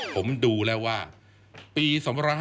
ผมดูแล้วว่าปี๒๕๕๙